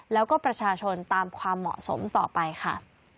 แล้วก็ประชาชนตามความเหมาะสมต่อไปค่ะ